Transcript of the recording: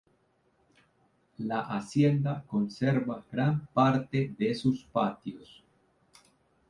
La hacienda conserva gran parte de sus patios.